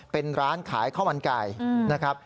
เป็นร้านขายข้าวมันไก่นะครับ